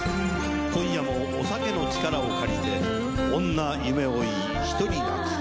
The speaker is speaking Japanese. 今夜もお酒の力を借りて女夢追いひとり泣く。